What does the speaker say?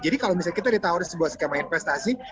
jadi kalau misalnya kita ditawarkan sebuah skama investasi